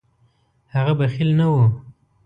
هغه بخیل نه و.